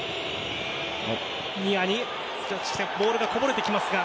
ボールがこぼれていきますが。